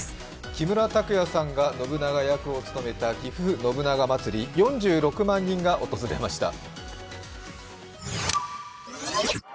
木村拓哉さんが信長役を務めたぎふ信長まつりに４６万人が訪れました。